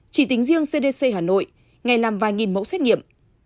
chỉ tính riêng cdc hà nội ngày làm vài nghìn mẫu xét nghiệm